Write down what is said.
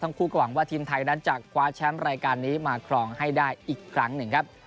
คู่ก็หวังว่าทีมไทยนั้นจะคว้าแชมป์รายการนี้มาครองให้ได้อีกครั้งหนึ่งครับ